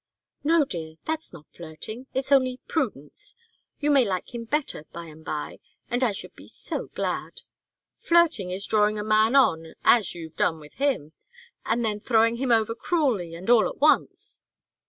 "No, dear; that's not flirting; it's only prudence. You may like him better by and by, and I should be so glad! Flirting is drawing a man on as you've done with him, and then throwing him over cruelly and all at once."